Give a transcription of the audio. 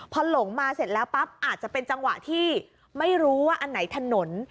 พอหลงมาเสร็จแล้วปั๊บอาจจะเป็นจังหวะที่ไม่รู้ว่าอันไหนถนน